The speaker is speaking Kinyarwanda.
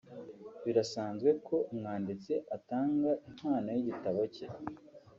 Birasanzwe ko umwanditsi atanga impano y’igitabo cye